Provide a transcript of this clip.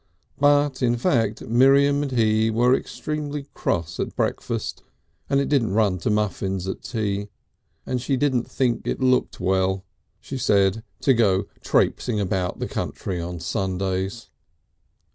But, in fact, Miriam and he were extremely cross at breakfast, and it didn't run to muffins at tea. And she didn't think it looked well, she said, to go trapesing about the country on Sundays.